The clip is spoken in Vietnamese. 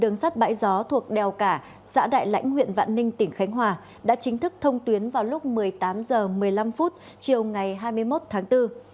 đường sắt bãi gió thuộc đèo cả xã đại lãnh huyện vạn ninh tỉnh khánh hòa đã chính thức thông tuyến vào lúc một mươi tám h một mươi năm chiều ngày hai mươi một tháng bốn